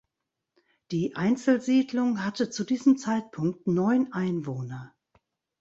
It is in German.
Die Einzelsiedlung hatte zu diesem Zeitpunkt neun Einwohner.